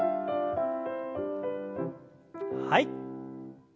はい。